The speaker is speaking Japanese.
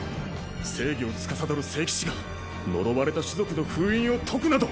正義を司る聖騎士が呪われた種族の封印を解くなど。